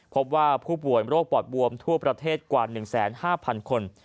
พบว่าผู้ป่วยโรคปอดบวมทั่วประเทศกว่า๑๕๐๐คน